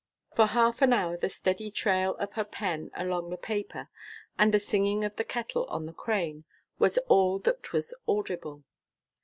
For half an hour the steady trail of her pen along the paper, and the singing of the kettle on the crane, was all that was audible.